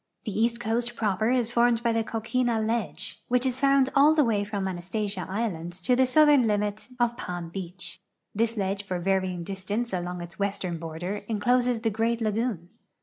The east coast proper is formed Ijy the coquina ledge, which is found all the way from Anastasia island to the southern limit of Palm beach. This ledge for vaiying distance along its western border incloses the great lagoon.